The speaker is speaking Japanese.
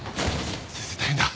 先生大変だ。